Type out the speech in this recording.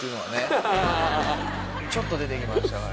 ちょっと出てきましたから。